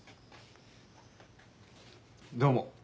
どうも。